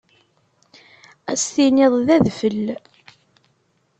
Ad as-tiniḍ d adfel.